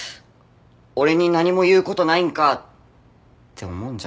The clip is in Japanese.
俺に何も言うことないんか！って思うんじゃない？